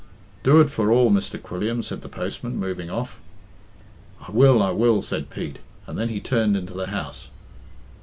"Do it for all, Mr. Quilliam," said the postman, moving off. "I will, I will," said Pete; and then he turned into the house.